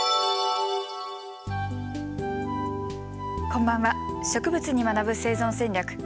こんばんは「植物に学ぶ生存戦略」。